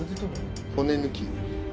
骨抜き。